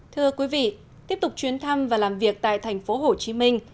tiếp tục chuyến thăm và làm việc tại thành phố hồ chí minh